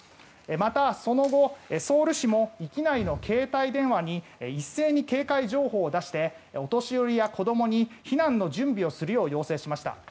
また、その後、ソウル市も域内の携帯電話に一斉に警戒情報を出してお年寄りや子どもに避難の準備をするよう要請しました。